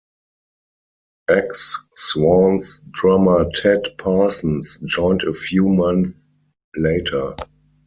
Ex-Swans drummer Ted Parsons joined a few months later.